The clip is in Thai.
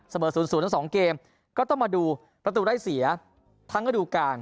สเบิดศูนย์ศูนย์ทั้งสองเกมก็ต้องมาดูประตูได้เสียทั้งกระดูการ